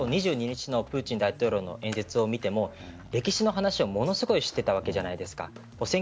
２２日のプーチン大統領の演説を見ても歴史の話をものすごくしていたわけじゃないですか。